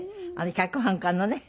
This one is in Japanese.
脚本家のね。